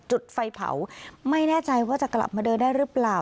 จุดไฟเผาไม่แน่ใจว่าจะกลับมาเดินได้หรือเปล่า